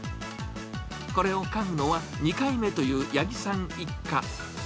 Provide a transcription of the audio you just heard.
これを買うのは２回目という八木さん一家。